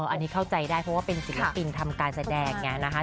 อันนี้เข้าใจได้เพราะว่าเป็นศิลปินทำการแสดงไงนะคะ